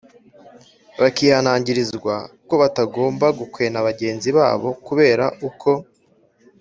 bakihanangirizwa ko batagomba gukwena bagenzi babo kubera uko